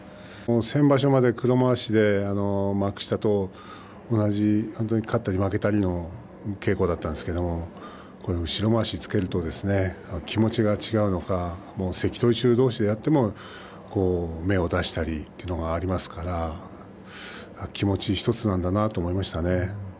先場所まで黒まわしで幕下と同じ本当に勝ったり負けたりの稽古だったんですけれども白まわしつけると気持ちが違うのか関取衆どうしでやっても芽を出したりっていうのがありますから気持ち１つなんだなと思いましたね。